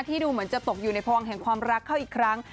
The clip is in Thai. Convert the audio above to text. ดูเหมือนจะตกอยู่ในพวงแห่งความรักเข้าอีกครั้ง